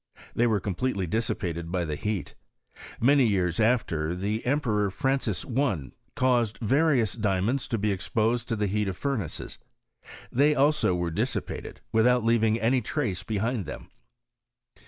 They were completely dissipated by the heat. Many years after, the Emperor Fran cis I. caused various diamonds to be exposed to the heat of furnaces. They also were dissipated, with out leaving any trace behind them.